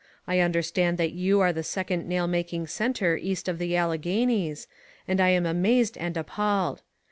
I understand that you are the second nail making centre east of the Alleghenies, and I am amazed and appalled.